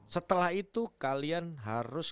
setelah itu kalian harus